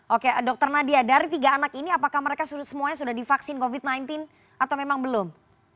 oke dr nadia dari tiga anak ini apakah mereka semuanya sudah divaksin covid sembilan belas atau memang belum